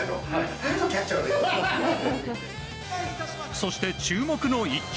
そして、注目の一球。